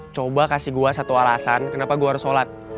coba kasih gua satu alasan kenapa gua harus sholat